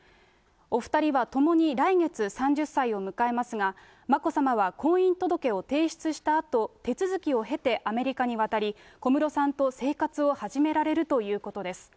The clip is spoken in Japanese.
お２人はともに来月３０歳を迎えますが、眞子さまは婚姻届を提出したあと、手続きを経てアメリカに渡り、小室さんと生活を始められるということです。